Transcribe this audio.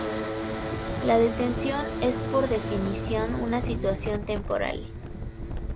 La detención es por definición una situación temporal.